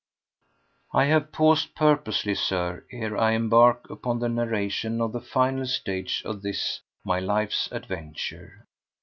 4. I have paused purposely, Sir, ere I embark upon the narration of the final stage of this, my life's adventure.